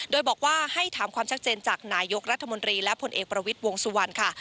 โดยบอกว่าให้ถามความชัดเจนจากนายกรัฐมนตรีและผลเอกประวิทย์วงสุวรรณค่ะ